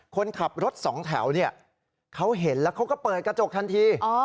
คนขับรถสองแถวเนี่ยเขาเห็นแล้วเขาก็เปิดกระจกทันที